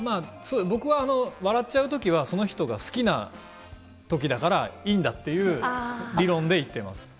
僕は笑っちゃうときは、その人が好きなときだからいいんだっていう理論で言ってます。